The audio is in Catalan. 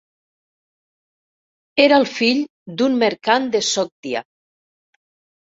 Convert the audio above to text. Era el fill d'un mercant de Sogdia.